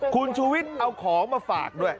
คุณชูวิทย์เอาของมาฝากด้วย